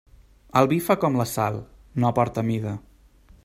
El vi fa com la sal: no porta mida.